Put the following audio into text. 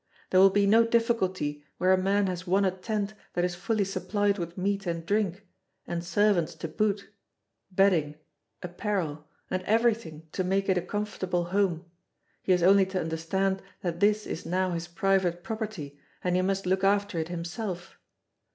There will be no difficulty where a man has won a tent that is fully supplied with meat and drink, and servants to boot, bedding, apparel, and everything to make it a comfortable home; he has only to understand that this is now his private property, and he must look after it himself.